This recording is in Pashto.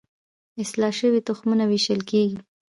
اصلاح شوي تخمونه ویشل کیږي.